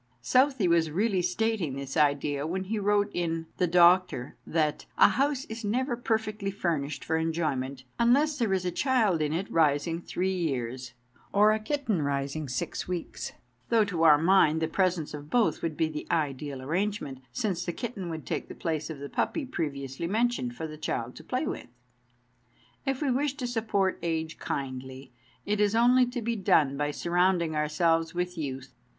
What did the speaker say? Southey was really stating this idea when he wrote in "The Doctor" that "A house is never perfectly furnished for enjoyment, unless there is a child in it rising three years or a kitten rising six weeks," though to our mind the presence of both would be the ideal arrangement, since the kitten would take the place of the puppy previously mentioned, for the child to play with. If we wish to support age kindly, it is only to be done by surrounding ourselves with youth.